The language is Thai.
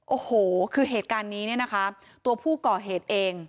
โอ้โหคือเหตุการณ์นี้เนี่ยนะคะตัวผู้ก่อเหตุเอง